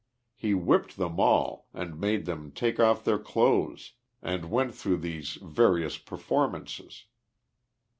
He whipped them all, and made them take off their clothes and went through these various per formances.